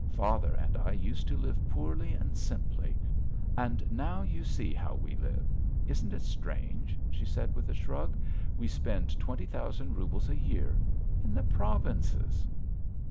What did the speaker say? Father and I used to live poorly and simply, and now you see how we live. Isn't it strange?" she said with a shrug. "We spend twenty thousand roubles a year! In the provinces!"